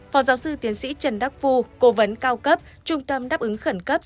phó giáo sư tiến sĩ trần đắc phu cố vấn cao cấp trung tâm đáp ứng khẩn cấp